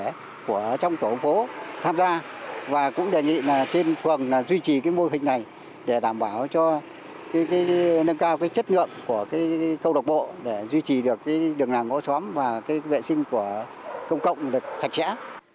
các tầng nước của trong tổ phố tham gia và cũng đề nghị trên phần duy trì mô hình này để đảm bảo cho nâng cao chất ngượng của câu lạc bộ để duy trì được đường làm ngõ xóm và vệ sinh của công cộng được sạch sẽ